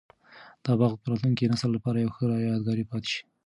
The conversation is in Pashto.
دا باغ به د راتلونکي نسل لپاره یو ښه یادګار پاتي شي.